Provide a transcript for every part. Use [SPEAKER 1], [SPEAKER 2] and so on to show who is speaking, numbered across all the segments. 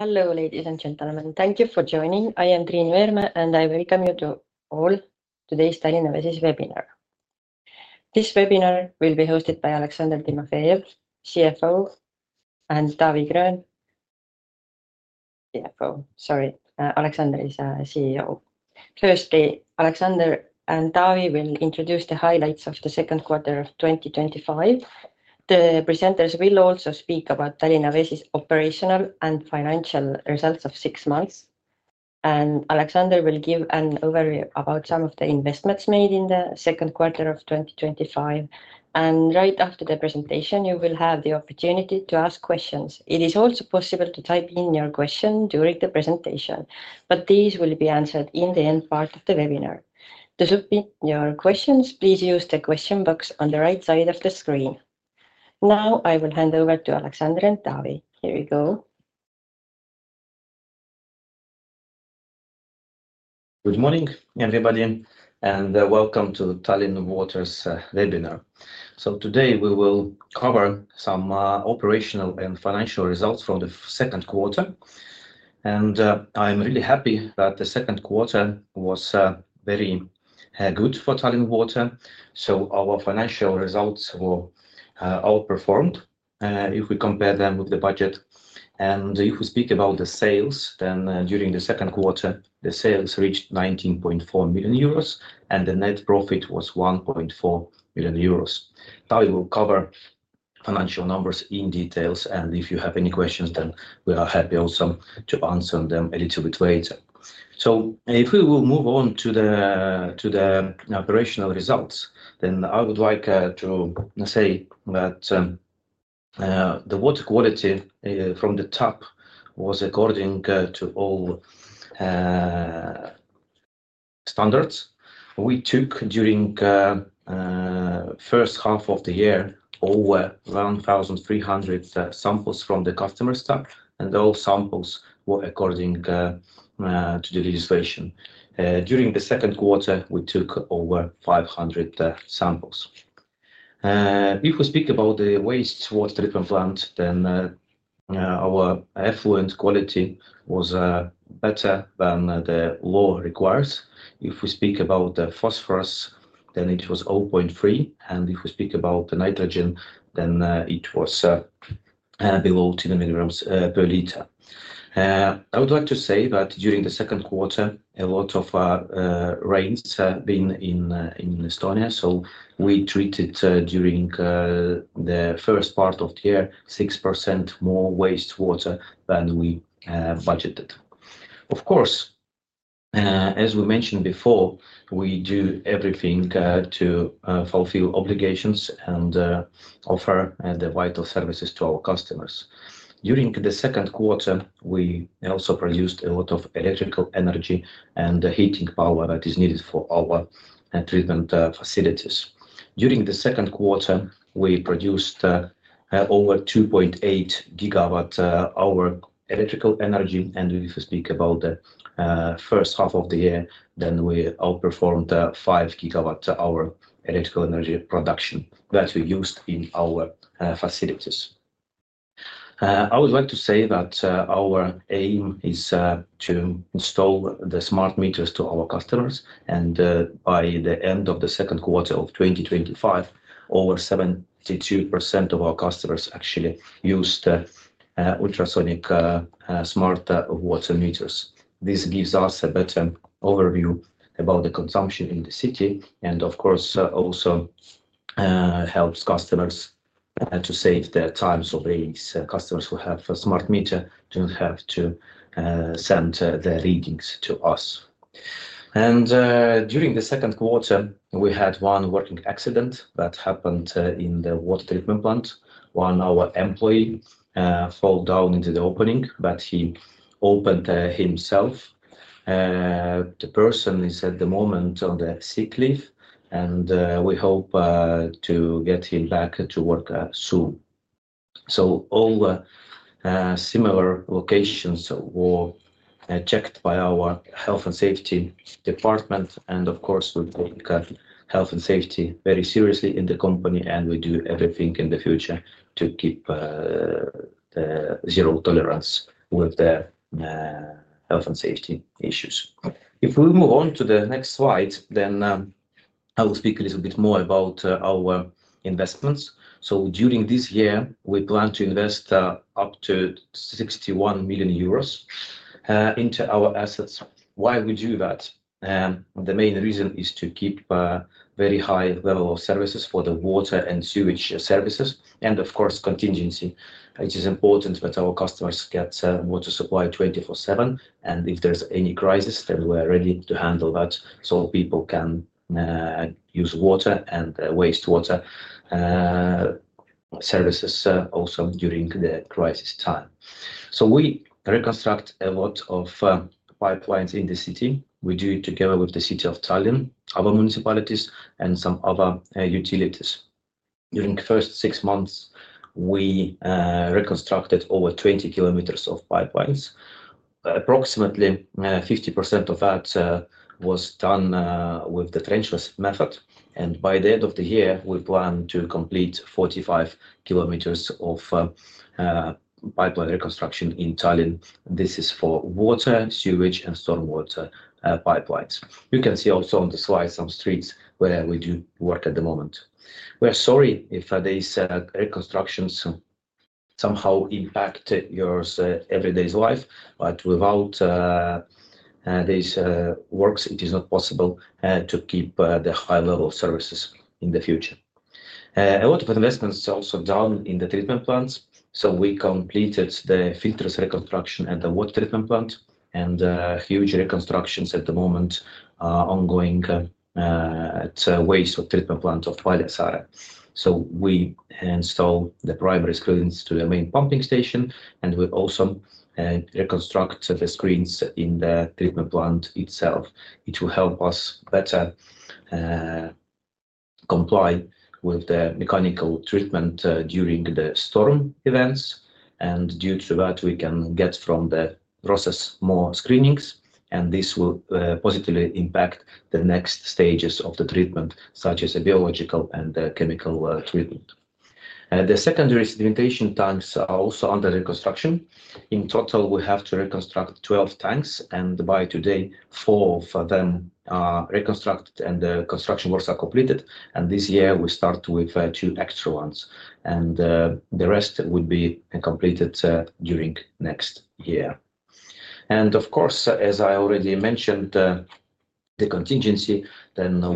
[SPEAKER 1] Hello, ladies and gentlemen. Thank you for joining. I am Triin Veermäe and I welcome you all to the AS Tallinna Vesi webinar. This webinar will be hosted by Aleksandr Timofejev, CEO, and Taavi Gröön, CFO. Aleksandr and Taavi will introduce the highlights of the second quarter of 2025. The presenters will also speak about Tallinna Vesi's operational and financial results of six months. Aleksandr will give an overview about some of the investments made in the second quarter of 2025. Right after the presentation, you will have the opportunity to ask questions. It is also possible to type in your question during the presentation, but these will be answered in the end part of the webinar. To submit your questions, please use the question box on the right side of the screen. Now I will hand over to Aleksandr and Taavi. Here you go.
[SPEAKER 2] Good morning, everybody, and welcome to Tallinna Vesi's webinar. Today we will cover some operational and financial results from the second quarter. I'm really happy that the second quarter was very good for Tallinna Vesi. Our financial results were outperformed if we compare them with the budget. If we speak about the sales, during the second quarter, the sales reached 19.4 million euros and the net profit was 1.4 million euros. Taavi will cover financial numbers in detail, and if you have any questions, we are happy also to answer them a little bit later. If we move on to the operational results, I would like to say that the water quality from the tap was according to all standards. We took during the first half of the year over 1,300 samples from the customer staff, and all samples were according to the legislation. During the second quarter, we took over 500 samples. If we speak about the wastewater treatment plant, our effluent quality was better than the law requires. If we speak about the phosphorus, it was 0.3, and if we speak about the nitrogen, it was below 10 mg per liter. I would like to say that during the second quarter, a lot of rains have been in Estonia, so we treated during the first part of the year 6% more wastewater than we budgeted. Of course, as we mentioned before, we do everything to fulfill obligations and offer the vital services to our customers. During the second quarter, we also produced a lot of electrical energy and the heating power that is needed for our treatment facilities. During the second quarter, we produced over 2.8 GWh electrical energy, and if we speak about the first half of the year, we outperformed 5 GWh electrical energy production that we used in our facilities. I would like to say that our aim is to install the smart meters to our customers, and by the end of the second quarter of 2025, over 72% of our customers actually used the ultrasonic smart water meters. This gives us a better overview about the consumption in the city and, of course, also helps customers to save their time during times of rains. Customers who have a smart meter do not have to send their readings to us. During the second quarter, we had one working accident that happened in the water treatment plant. One of our employees fell down into the opening, but he opened himself. The person is at the moment on sick leave, and we hope to get him back to work soon. All similar locations were checked by our Health and Safety department, and of course, we take Health and Safety very seriously in the company. We do everything in the future to keep zero tolerance with the Health and Safety issues. If we move on to the next slide, I will speak a little bit more about our investments. During this year, we plan to invest up to 61 million euros into our assets. Why do we do that? The main reason is to keep a very high level of services for the water and sewage services, and of course, contingency. It is important that our customers get water supply 24/7, and if there's any crisis, then we're ready to handle that so people can use water and wastewater services also during the crisis time. We reconstruct a lot of pipelines in the city. We do it together with the City of Tallinn, other municipalities, and some other utilities. During the first six months, we reconstructed over 20 km of pipelines. Approximately 50% of that was done with the trenchless method. By the end of the year, we plan to complete 45 km of pipeline reconstruction in Tallinn. This is for water, sewage, and stormwater pipelines. You can see also on the slide some streets where we do work at the moment. We are sorry if these reconstructions somehow impact your everyday life, but without these works, it is not possible to keep the high level of services in the future. A lot of investments are also done in the treatment plants. We completed the filters reconstruction at the water treatment plant, and huge reconstructions at the moment are ongoing at the wastewater treatment plant of Paljassaare. We install the primary screens to the main pumping station, and we also reconstruct the screens in the treatment plant itself. It will help us better comply with the mechanical treatment during the storm events. Due to that, we can get from the process more screenings, and this will positively impact the next stages of the treatment, such as the biological and the chemical treatment. The secondary sedimentation tanks are also under reconstruction. In total, we have to reconstruct 12 tanks, and by today, four of them are reconstructed and the construction works are completed. This year, we start with two extra ones, and the rest would be completed during next year. Of course, as I already mentioned, the contingency,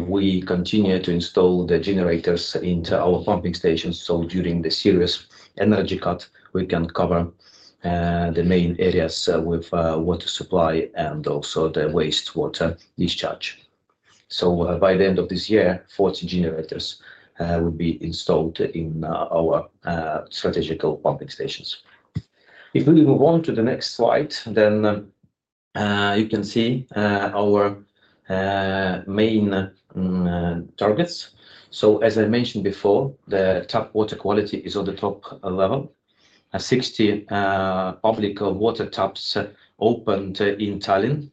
[SPEAKER 2] we continue to install the generators into our pumping stations. During the serious energy cut, we can cover the main areas with water supply and also the wastewater discharge. By the end of this year, 40 generators will be installed in our strategical pumping stations. If we move on to the next slide, you can see our main targets. As I mentioned before, the tap water quality is at the top level. 60 public water taps opened in Tallinn.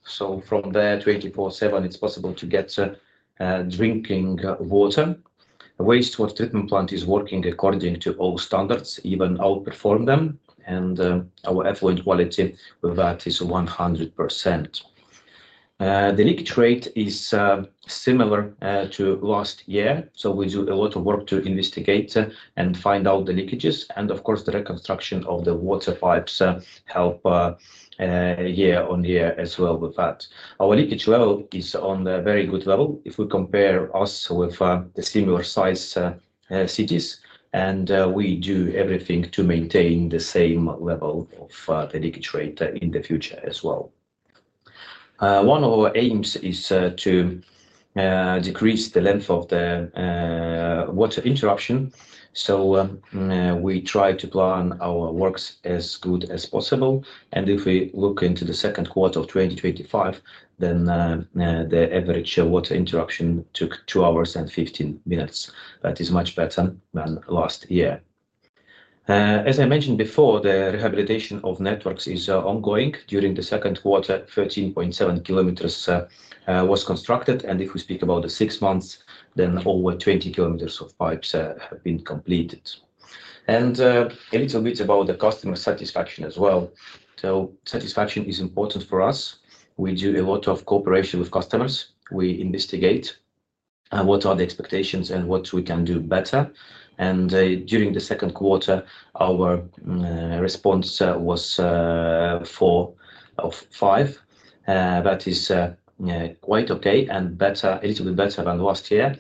[SPEAKER 2] From there, 24/7, it's possible to get drinking water. The wastewater treatment plant is working according to all standards, even outperformed them. Our effluent quality with that is 100%. The leakage rate is similar to last year. We do a lot of work to investigate and find out the leakages. Of course, the reconstruction of the water pipes helps year on year as well with that. Our leakage level is on a very good level if we compare us with similar-sized cities. We do everything to maintain the same level of the leakage rate in the future as well. One of our aims is to decrease the length of the water interruption. We try to plan our works as good as possible. If we look into the second quarter of 2025, the average water interruption took 2 hours and 15 minutes. That is much better than last year. As I mentioned before, the rehabilitation of networks is ongoing. During the second quarter, 13.7 km was constructed. If we speak about the six months, over 20 km of pipes have been completed. A little bit about the customer satisfaction as well. Satisfaction is important for us. We do a lot of cooperation with customers. We investigate what are the expectations and what we can do better. During the second quarter, our response was 4 out of 5. That is quite okay and a little bit better than last year.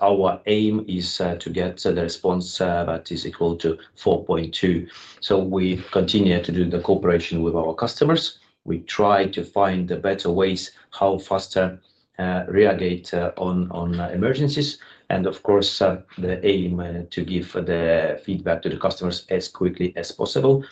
[SPEAKER 2] Our aim is to get the response that is equal to 4.2. We continue to do the cooperation with our customers. We try to find better ways how faster [reagate] on emergencies. Of course, the aim is to give the feedback to the customers as quickly as possible.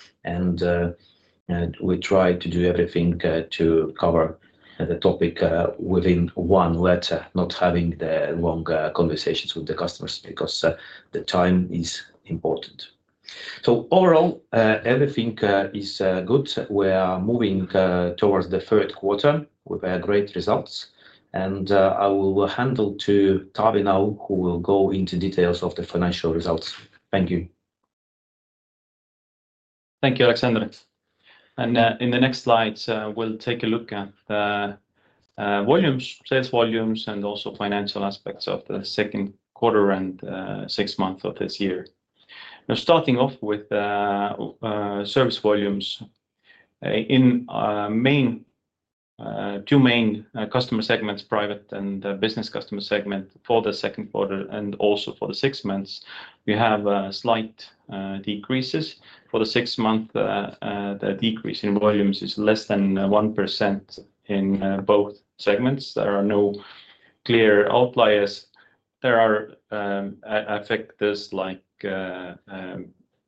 [SPEAKER 2] We try to do everything to cover the topic within one letter, not having the long conversations with the customers because the time is important. Overall, everything is good. We are moving towards the third quarter with great results. I will hand it to Taavi now, who will go into details of the financial results. Thank you.
[SPEAKER 3] Thank you, Aleksandr. In the next slides, we'll take a look at the sales volumes and also financial aspects of the second quarter and six months of this year. Now, starting off with service volumes, in two main customer segments, private and business customer segments, for the second quarter and also for the six months, we have slight decreases. For the six months, the decrease in volumes is less than 1% in both segments. There are no clear outliers. There are factors like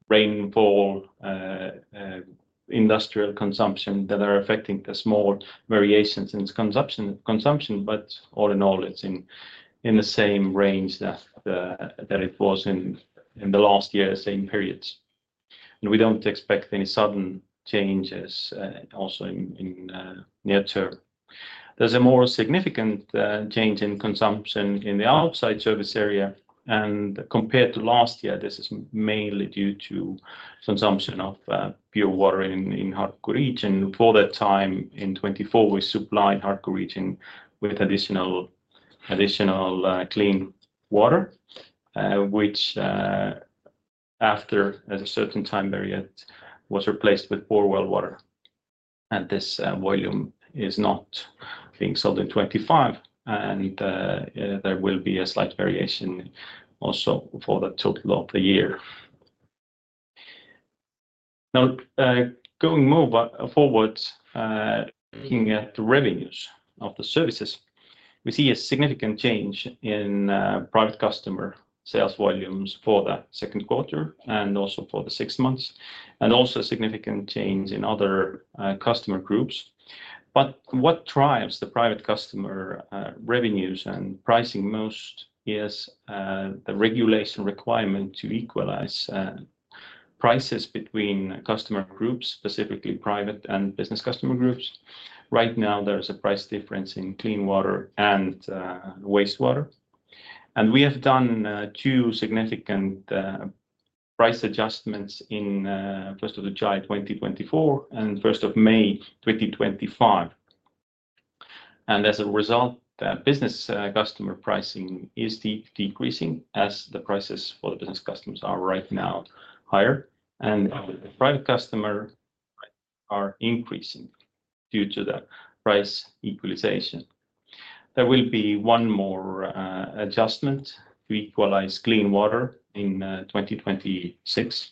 [SPEAKER 3] rainfall and industrial consumption that are affecting the small variations in consumption, but all in all, it's in the same range that it was in last year's same periods. We don't expect any sudden changes also in the near term. There's a more significant change in consumption in the outside service area. Compared to last year, this is mainly due to consumption of pure water in the Harku region. For that time, in 2024, we supplied Harku region with additional clean water, which after a certain time period was replaced with poor well water. This volume is not being sold in 2025. There will be a slight variation also for the total of the year. Now, going forward, looking at the revenues of the services, we see a significant change in private customer sales volumes for the second quarter and also for the six months, and also a significant change in other customer groups. What drives the private customer revenues and pricing most is the regulation requirement to equalize prices between customer groups, specifically private and business customer groups. Right now, there's a price difference in clean water and wastewater. We have done two significant price adjustments in 1st of July 2024, and 1st of May 2025. As a result, the business customer pricing is decreasing as the prices for the business customers are right now higher, and the private customer prices are increasing due to the price equalization. There will be one more adjustment to equalize clean water in 2026.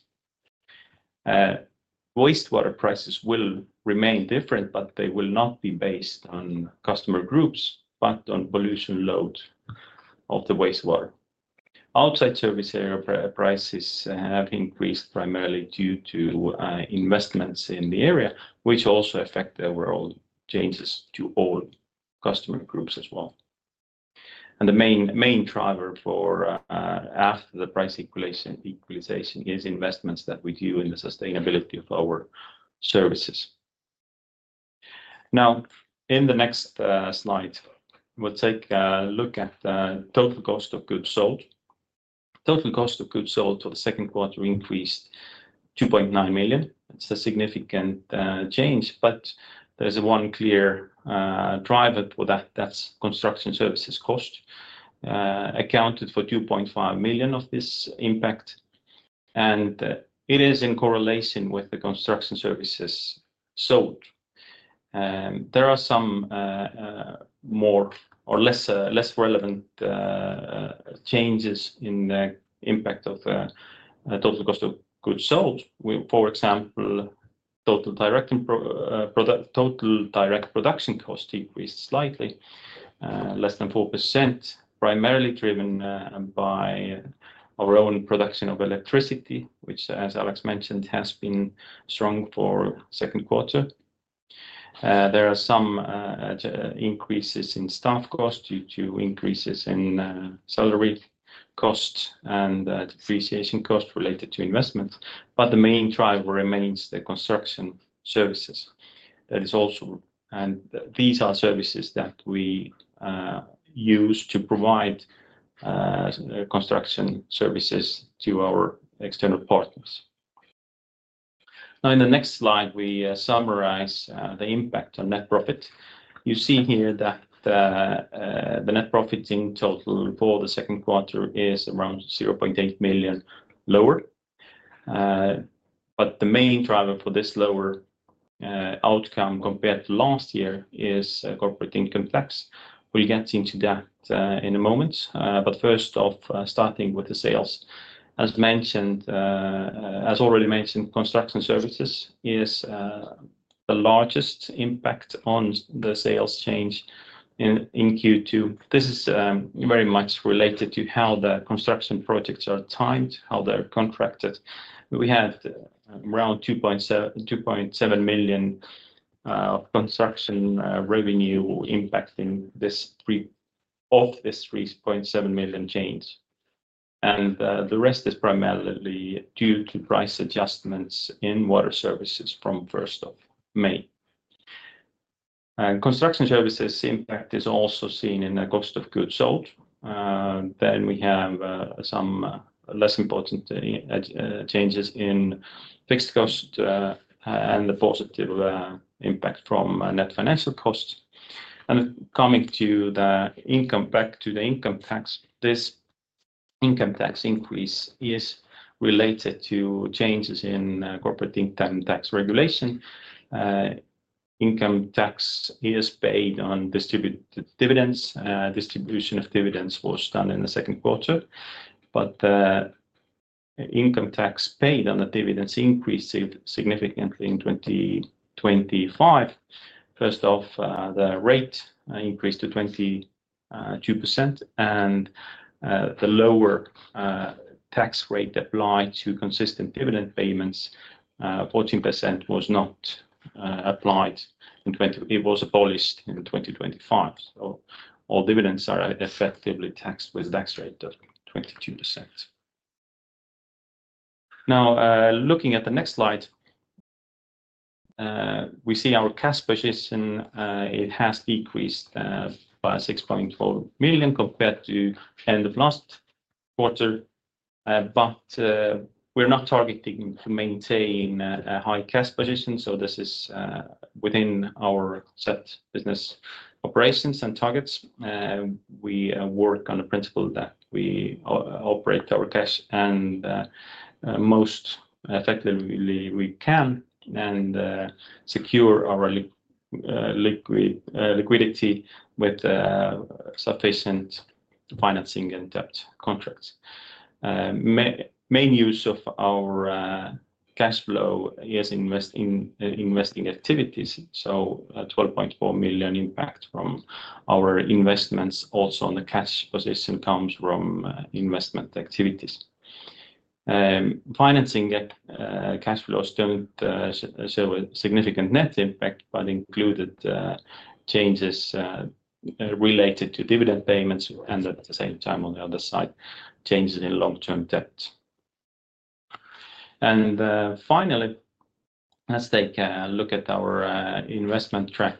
[SPEAKER 3] Wastewater prices will remain different, but they will not be based on customer groups, but on pollution load of the wastewater. Outside service area prices have increased primarily due to investments in the area, which also affect the overall changes to all customer groups as well. The main driver for after the price equalization is investments that we do in the sustainability of our services. In the next slide, we'll take a look at the total cost of goods sold. Total cost of goods sold for the second quarter increased 2.9 million. It's a significant change, but there's one clear driver for that. That's construction services cost accounted for 2.5 million of this impact, and it is in correlation with the construction services sold. There are some more or less relevant changes in the impact of total cost of goods sold. For example, total direct production cost decreased slightly, less than 4%, primarily driven by our own production of electricity, which, as Alex mentioned, has been strong for the second quarter. There are some increases in staff cost due to increases in salary cost and depreciation cost related to investments. The main driver remains the construction services. That is also, and these are services that we use to provide construction services to our external partners. Now, in the next slide, we summarize the impact on net profit. You see here that the net profit in total for the second quarter is around 0.8 million lower. The main driver for this lower outcome compared to last year is corporate income tax. We'll get into that in a moment. First off, starting with the sales, as already mentioned, construction services is the largest impact on the sales change in Q2. This is very much related to how the construction projects are timed, how they're contracted. We had around 2.7 million of construction revenue impacting this 3.7 million change, and the rest is primarily due to price adjustments in water services from 1st of May. Construction services' impact is also seen in the cost of goods sold. We have some less important changes in fixed cost and the positive impact from net financial cost. Coming back to the income tax, this income tax increase is related to changes in corporate income tax regulation. Income tax is paid on distributed dividends. Distribution of dividends was done in the second quarter. The income tax paid on the dividends increased significantly in 2025. First off, the rate increased to 22%. The lower tax rate applied to consistent dividend payments, 14%, was not applied, it was abolished in 2025. All dividends are effectively taxed with a tax rate of 22%. Now, looking at the next slide, we see our cash position has decreased by 6.4 million compared to the end of last quarter. We're not targeting to maintain a high cash position, so this is within our set business operations and targets. We work on the principle that we operate our cash and most effectively we can and secure our liquidity with sufficient financing and debt contracts. Main use of our cash flow is in investing activities. 12.4 million impact from our investments also on the cash position comes from investment activities. Financing cash flows don't show a significant net impact, but included changes related to dividend payments and at the same time on the other side, changes in long-term debt. Finally, let's take a look at our investment track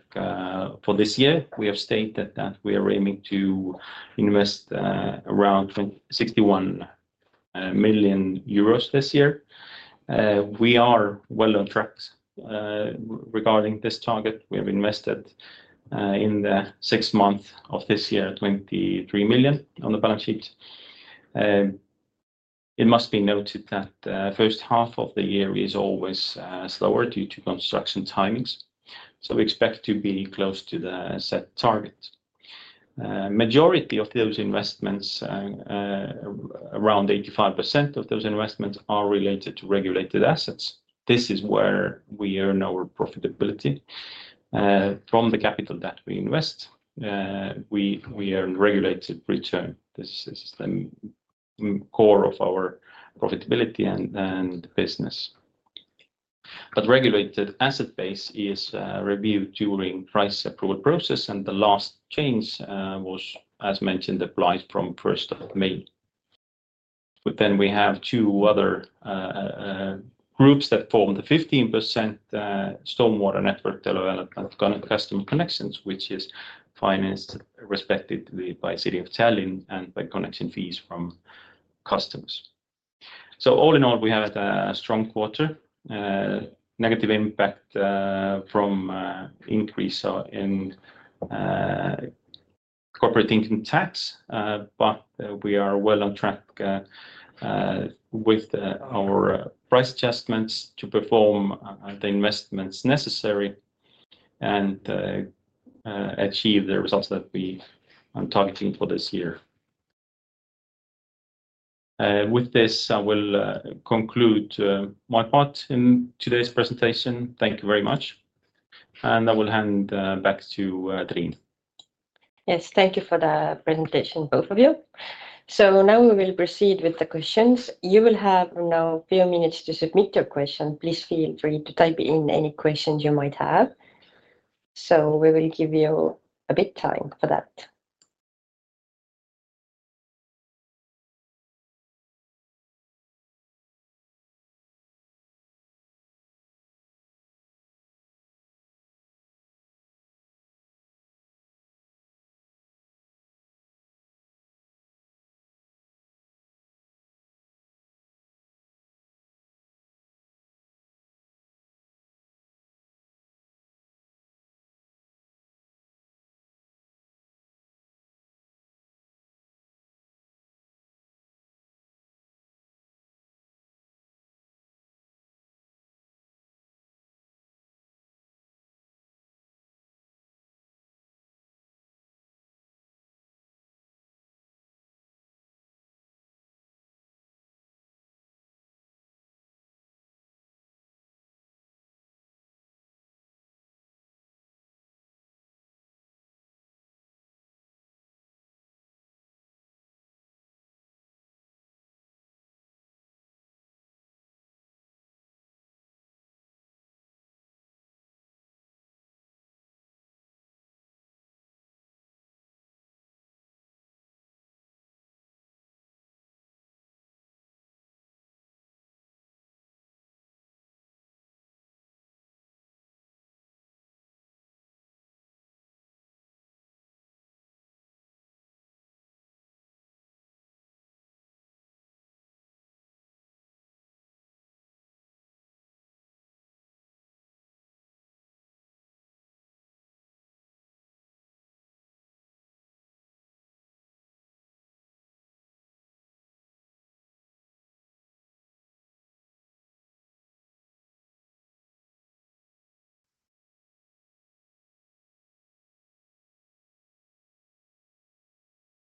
[SPEAKER 3] for this year. We have stated that we are aiming to invest around 61 million euros this year. We are well on track regarding this target. We have invested in the six months of this year, 23 million on the balance sheet. It must be noted that the first half of the year is always slower due to construction timings. We expect to be close to the set target. The majority of those investments, around 85% of those investments, are related to regulated assets. This is where we earn our profitability. From the capital that we invest, we earn regulated return. This is the core of our profitability and business. The regulated asset base is reviewed during the price approval process, and the last change was, as mentioned, applied from 1st of May. We have two other groups that form the 15% stormwater network development and customer connections, which is financed respectively by the City of Tallinn and by connection fees from customers. All in all, we had a strong quarter, negative impact from the increase in corporate income tax, but we are well on track with our price adjustments to perform the investments necessary and achieve the results that we are targeting for this year. With this, I will conclude my part in today's presentation. Thank you very much. I will hand back to Triin.
[SPEAKER 1] Yes, thank you for the presentation, both of you. Now we will proceed with the questions. You will have a few minutes to submit your questions. Please feel free to type in any questions you might have. We will give you a bit of time for that.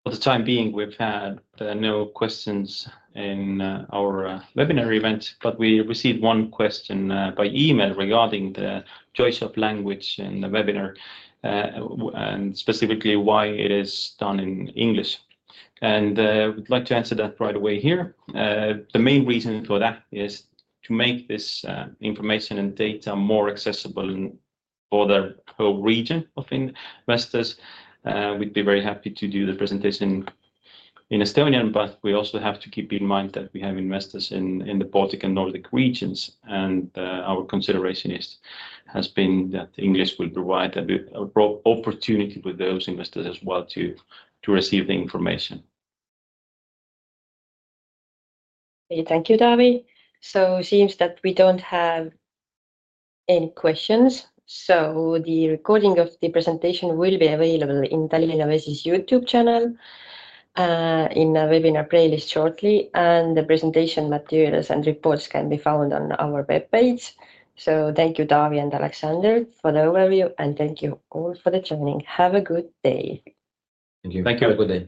[SPEAKER 3] For the time being, we've had no questions in our webinar event, but we received one question by email regarding the choice of language in the webinar, and specifically why it is done in English. Would like to answer that right away here. The main reason for that is to make this information and data more accessible for the whole region of investors. We'd be very happy to do the presentation in Estonian, but we also have to keep in mind that we have investors in the Baltic and Nordic regions. Our consideration has been that English will provide an opportunity for those investors as well to receive the information.
[SPEAKER 1] Thank you, Taavi. It seems that we don't have any questions. The recording of the presentation will be available in Tallinna Vesi's YouTube channel in a webinar playlist shortly. The presentation materials and reports can be found on our web page. Thank you, Taavi and Aleksandr, for the overview. Thank you all for joining. Have a good day.
[SPEAKER 2] Thank you.
[SPEAKER 3] Thank you, have a good day.